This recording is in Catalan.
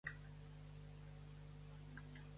Repetit, remet a un bon menjar magrebí.